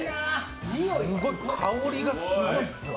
香りがすごいっすわ。